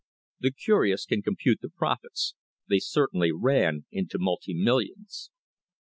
The curious can compute the profits ; they certainly ran into the multi millions.